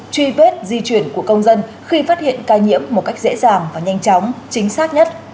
truy vết di chuyển của công dân khi phát hiện ca nhiễm một cách dễ dàng và nhanh chóng chính xác nhất